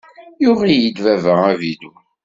Yuɣ-iyi-d baba avilu.